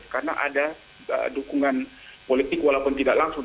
karena ada dukungan politik walaupun tidak langsung